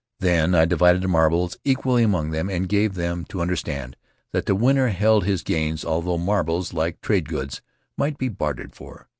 Then I divided the marbles equally among them and gave them to understand that the winner held his gains, although marbles, like trade goods, might be bartered for.